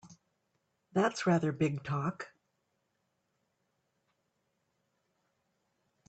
That's rather big talk!